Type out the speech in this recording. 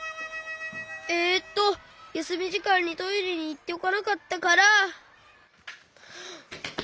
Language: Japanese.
えっとやすみじかんにトイレにいっておかなかったから。